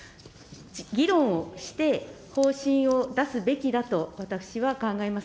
議論をして、方針を出すべきだと、私は考えます。